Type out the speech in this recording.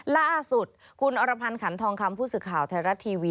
ล่าสุดคุณอรพันธ์ขันทองคำผู้สื่อข่าวไทยรัฐทีวี